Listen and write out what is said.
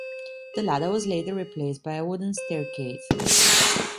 The ladder was later replaced by a wooden staircase.